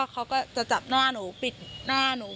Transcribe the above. เขาก็จะจับหน้าหนู